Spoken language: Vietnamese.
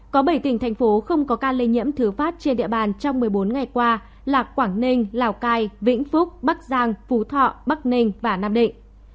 có bảy tỉnh thành phố không có ca lây nhiễm thứ phát trên địa bàn trong một mươi bốn ngày qua là quảng ninh lào cai vĩnh phúc bắc giang phú thọ bắc ninh và nam định